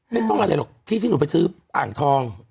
ไม่ต้องอะไรหรอกที่ที่หนูไปซื้ออ่างทอง